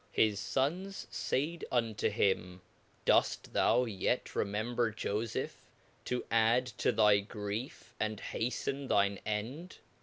His fons faid unto him' Doft thou yet remember fofeph, to addc to thy grief, and haften thine end